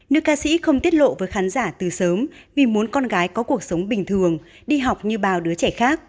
nữ ca sĩ không tiết lộ với khán giả từ sớm vì muốn con gái có cuộc sống bình thường đi học như bao đứa trẻ khác